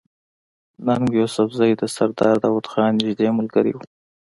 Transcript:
ننګ يوسفزۍ د سردار داود خان نزدې ملګری وو